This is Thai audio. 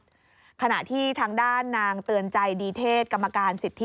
ขณะที่ทางด้านนางเตือนใจดีเทศกรรมการสิทธิ